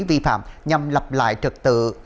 vi phạm nhằm lập lại trật tự